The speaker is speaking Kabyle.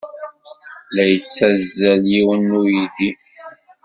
La yettazzal yiwen n uydi.